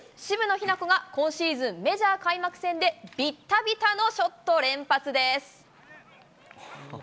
渋野日向子が今シーズンメジャー開幕戦でビッタビタのショット連発です。